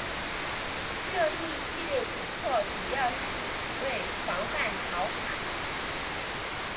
这一系列举措主要是为防范陶侃。